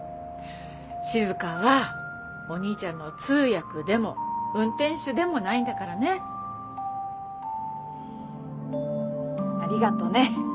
静はお兄ちゃんの通訳でも運転手でもないんだからね。ありがとね。